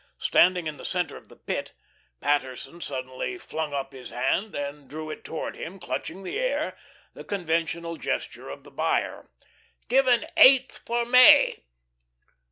Standing in the centre of the Pit, Patterson suddenly flung up his hand and drew it towards him, clutching the air the conventional gesture of the buyer. "'Give an eighth for May."